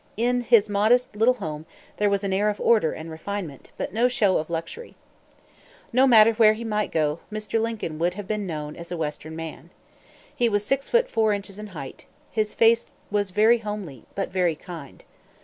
In his modest little home there was an air of order and refinement, but no show of luxury. No matter where he might go, Mr. Lincoln would have been known as a Western man. He was six feet four inches in height. His face was very homely, but very kind.